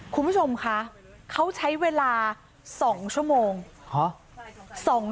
คุณผู้ชมคะเขาใช้เวลา๒ชั่วโมง